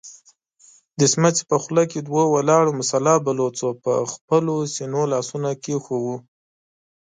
د سمڅې په خوله کې دوو ولاړو مسلح بلوڅو پر خپلو سينو لاسونه کېښودل.